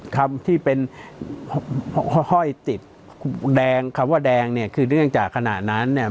คำที่เป็นห้อยติดแดงคำว่าแดงเนี่ยคือเนื่องจากขณะนั้นเนี่ย